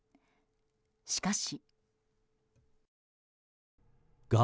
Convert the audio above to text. しかし。